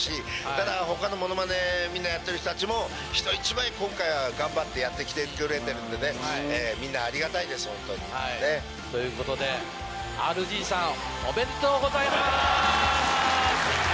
ただ他のものまねみんなやってる人たちも人一倍今回は頑張ってやってきてくれてるんでね。ということでＲＧさんおめでとうございます！